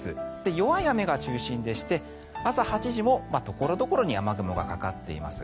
弱い雨が中心でして朝８時も所々に雨雲がかかっています。